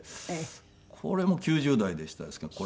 これも９０代でしたですけど。